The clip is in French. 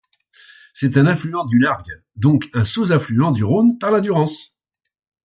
C'est un affluent du Largue, donc un sous-affluent du Rhône par la Durance.